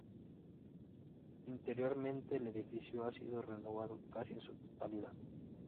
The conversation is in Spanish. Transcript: Interiormente el edificio ha sido renovado casi en su totalidad.